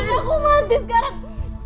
aku mati sekarang